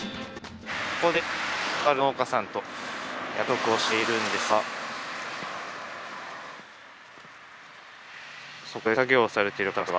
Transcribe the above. ここでとある農家さんと約束をしているんですが。